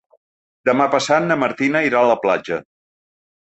Demà passat na Martina irà a la platja.